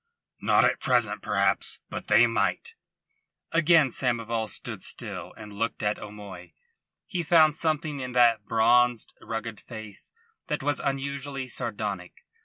"Not at present, perhaps. But they might." Again Samoval stood still and looked at O'Moy. He found something in the bronzed, rugged face that was unusually sardonic.